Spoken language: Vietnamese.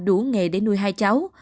đủ nghề để nuôi hai cháu